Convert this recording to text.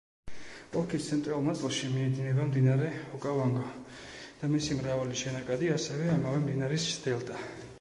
ოლქის ცენტრალურ ნაწილში მიედინება მდინარე ოკავანგო და მისი მრავალი შენაკადი, ასევე ამავე მდინარის დელტა.